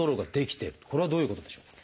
これはどういうことでしょうか？